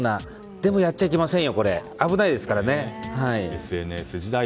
でもやっちゃいけませんよ。